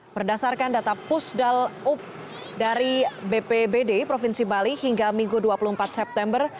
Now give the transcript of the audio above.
berdasarkan data pusdal up dari bpbd provinsi bali hingga minggu dua puluh empat september